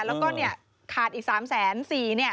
แล้วก็เนี่ยขาดอีก๓๔๐๐เนี่ย